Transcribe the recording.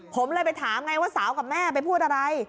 ผมเลยไปถามไงว่าสาวกับแม่ไปพูดอะไร